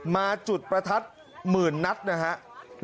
มาจุดประทัดหมื่นนัดนะครับ